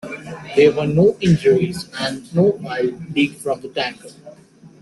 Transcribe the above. There were no injuries, and no oil leaked from the tanker.